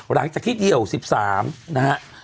หลังจากที่เดี่ยว๑๓นะฮะ